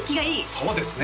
そうですね